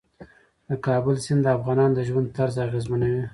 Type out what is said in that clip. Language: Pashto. د کابل سیند د افغانانو د ژوند طرز اغېزمنوي.